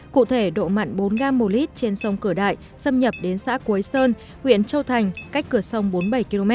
cụ thể độ mặn bốn gm một l trên sông cửa đại xâm nhập đến xã cuối sơn huyện châu thành cách cửa sông bốn mươi bảy km